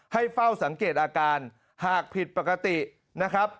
ให้เฝ้าสังเกตอาการหากผิดปกตินะครับ